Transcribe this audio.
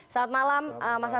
selamat malam mas hasan